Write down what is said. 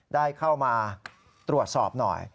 ได้เข้ามาตรวจสอบหน่อย